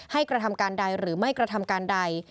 กระทำการใดหรือไม่กระทำการใด